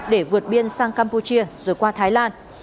để vượt biên sang campuchia rồi qua thái lan